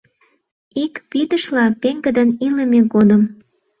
Ик пидышла пеҥгыдын илыме годым.